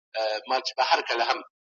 تحول غواړو.